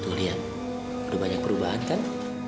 tuh liat udah banyak perubahan kan